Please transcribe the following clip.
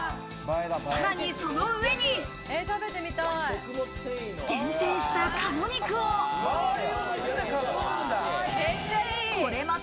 さらにその上に厳選した鴨肉を、すごい量！